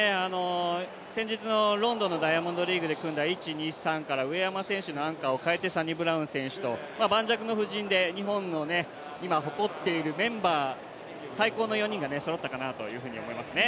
先日のロンドンのダイヤモンドリーグで組んだ１、２、３から上山選手のアンカーを代えてサニブラウン選手と盤石の布陣で日本の今誇っているメンバー、最高の４人がそろったかなと思いますね。